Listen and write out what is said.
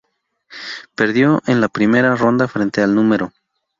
Perdió en la primera ronda frente al No.